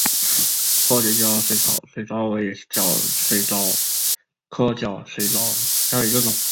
阔节角水蚤为角水蚤科角水蚤属下的一个种。